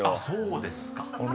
［そうですか］